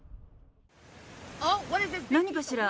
何かしら？